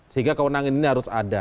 sehingga kewenangan ini harus ada